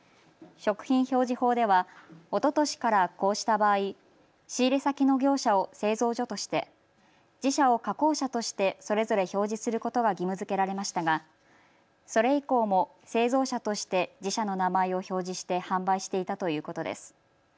食品表示法では、おととしからこうした場合、仕入れ先の業者を製造所として自社を加工者としてそれぞれ表示することが義務づけられましたがそれ以降も製造者として自社の名前を表示して販売していたということです。